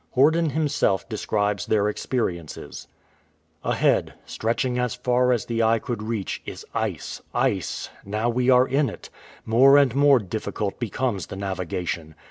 Horden himself describes their experiences :—" Ahead, stretching as far as the eye could reach, is ice — ice ; now we are in it. More and more difficult becomes the navigation.